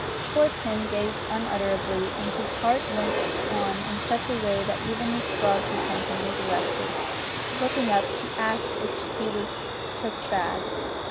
Poor Tim gazed unutterably, and his heart went on in such a way that even Mrs Frog's attention was arrested. Looking up, she asked if he was took bad.